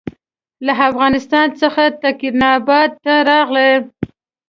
له افغانستان څخه تکیناباد ته راغی.